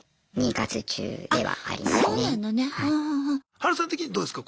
ハルさん的にどうですか？